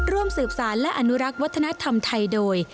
ร่วมสืบสารและอนุรักษ์วัฒนธรรมไทยโดย